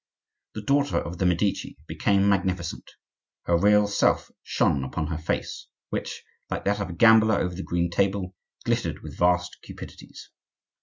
The daughter of the Medici became magnificent; her real self shone upon her face, which, like that of a gambler over the green table, glittered with vast cupidities.